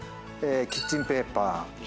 キッチンペーパー。